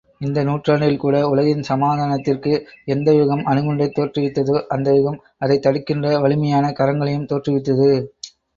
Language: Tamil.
இந்த நூற்றாண்டில்கூட, உலகின் சமாதானத்திற்கு எந்தயுகம் அணுகுண்டைத் தோற்றுவித்ததோ அந்த யுகம், அதைத் தடுக்கின்ற வலிமையான கரங்களையும் தோற்றுவித்தது.